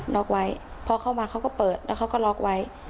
ล็อกไว้พอเข้ามาเขาก็เปิดแล้วเขาก็ล็อกไว้